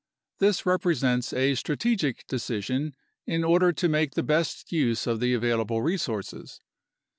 This represents a strategic decision in order to make the best use of the available resources.